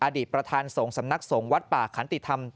อดีตประธานสงฆ์สำนักสงฆ์วัดป่าขันติธรรม